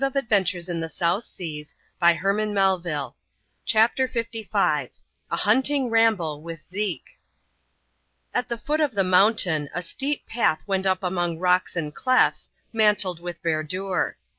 T 2 212 ADVENTURES IN THE SOUTH SEAa .[ckap.lt. CHAPTER LV. A Hunting Ramble irith Zeke. At the foot of the mountain, a steep path went up among rocks and clefts, mantled with verdure.